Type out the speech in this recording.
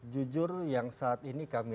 jujur yang saat ini kami